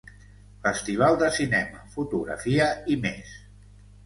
Festival de cinema, fotografia i més.